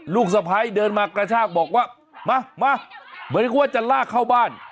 สะพ้ายเดินมากระชากบอกว่ามามาเหมือนนึกว่าจะลากเข้าบ้าน